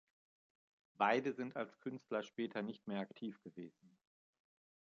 Beide sind als Künstler später nicht mehr aktiv gewesen.